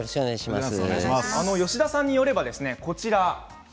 吉田さんによれば、こちら。